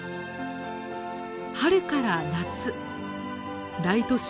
春から夏大都市